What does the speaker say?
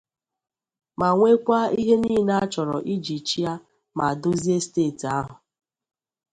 ma nwekwa ihe niile a chọrọ iji chịa ma dozie steeti ahụ.